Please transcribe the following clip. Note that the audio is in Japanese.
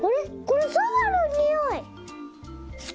これそばのにおい！